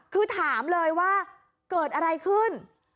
คือถามเลยว่าเกิดอะไรขึ้น